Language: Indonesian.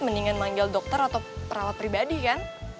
mendingan manggil dokter atau perawat pribadi kan